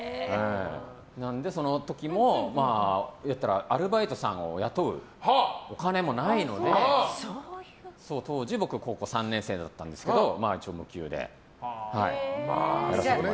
その時も、アルバイトさんを雇うお金もないので当時、僕が高校３年生だったんですけど無給でやらせてもらいました。